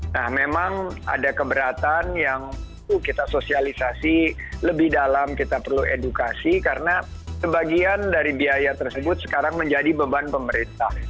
nah memang ada keberatan yang perlu kita sosialisasi lebih dalam kita perlu edukasi karena sebagian dari biaya tersebut sekarang menjadi beban pemerintah